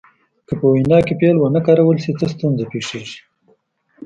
که په وینا کې فعل ونه کارول شي څه ستونزه پیښیږي.